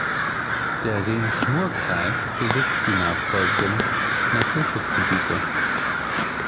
Der Rems-Murr-Kreis besitzt die nachfolgenden Naturschutzgebiete.